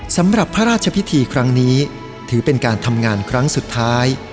สำหรับพระราชพิธีครั้งนี้ถือเป็นการทำงานครั้งสุดท้าย